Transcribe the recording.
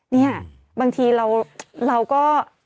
เนี่ยบางทีเราก็